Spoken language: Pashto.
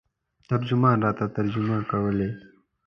ترجمان راته ترجمه کولې.